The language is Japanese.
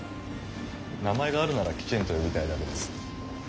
名前があるならきちんと呼びたいだけです。